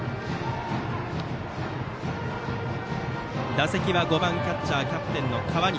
打席は５番キャッチャー、キャプテンの河西。